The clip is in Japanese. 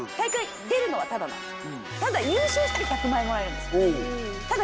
ただ優勝したら１００万円もらえるんですただ